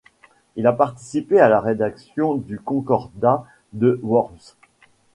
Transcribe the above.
Il a participé à la rédaction du concordat de Worms.